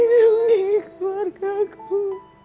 mendungi elsa anakku